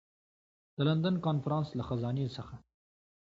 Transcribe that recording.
د لندن کنفرانس له خزانې څخه.